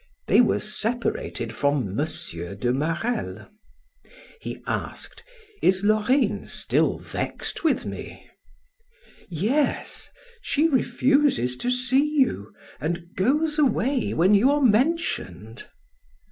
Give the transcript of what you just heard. They were separated from M. de Marelle. He asked: "Is Laurine still vexed with me?" "Yes. She refuses to see you and goes away when you are mentioned."